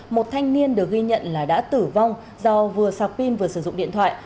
một thanh niên được ghi nhận là đã tử vong do vừa sạc pin vừa sử dụng điện thoại